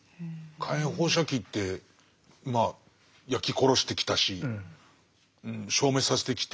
火炎放射器ってまあ焼き殺してきたし消滅させてきて。